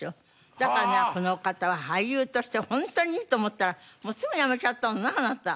だからねこの方は俳優としてホントにいいと思ったらもうすぐやめちゃったのねあなた。